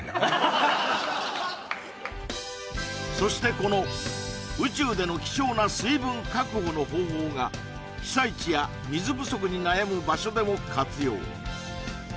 この宇宙での貴重な水分確保の方法が被災地や水不足に悩む場所でも活用